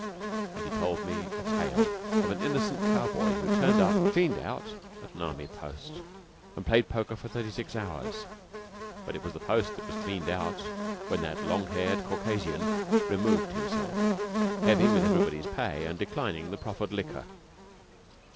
And he told me a tale of an innocent cow boy who turned up, cleaned out, at an army post, and played poker for thirty six hours. But it was the post that was cleaned out when that long haired Caucasian removed himself, heavy with everybody's pay and declining the proffered liquor.